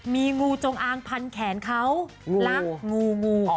มีงูจงอางพันแขนเขารักงูงู